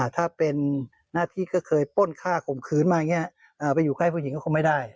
เมื่อเคยป้นค่าข่มขืนมาอย่างนี้ไปอยู่ใคร้ผู้หญิงก็คงไม่ได้